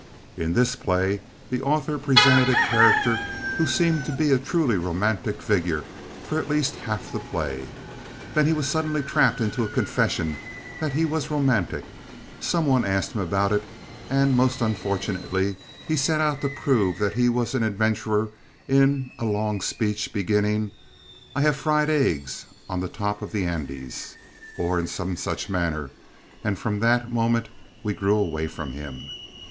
In this play the author presented a character who seemed to be a truly romantic figure for at least half the play. Then he was suddenly trapped into a confession that he was romantic. Somebody asked him about it, and, most unfortunately, he set out to prove that he was an adventurer in a long speech beginning "I have fried eggs on top of the Andes" or in some such manner, and from that moment we grew away from him.